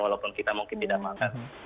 walaupun kita mungkin tidak makan